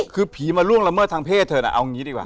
คือผีมาล่วงละเมิดทางเพศเธอน่ะเอางี้ดีกว่า